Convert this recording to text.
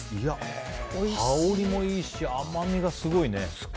香りもいいし、甘みがすごいね。